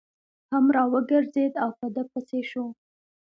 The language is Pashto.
هم را وګرځېد او په ده پسې شو.